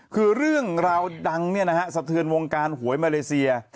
คือเรื่องราวดังเนี่ยนะฮะสะเทือนวงการหวยมาเลเซีย